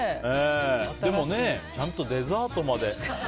でも、ちゃんとデザートまで。